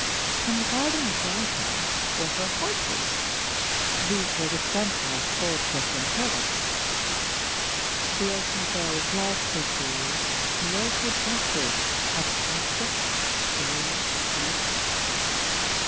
In the garden grotto were her horses. These were the gentlest goldfish and turtles. The ocean fairies loved Clytie and wove her dresses of softest green sea lace.